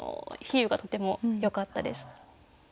比喩がとてもよかったです。